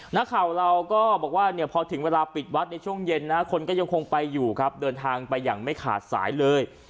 นักข่าวเราก็บอกว่าเนี่ยพอถึงเวลาปิดวัดในช่วงเย็นนะคนก็ยังคงไปอยู่ครับเดินทางไปอย่างไม่ขาดสายเลย